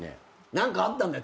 何かあったんだよ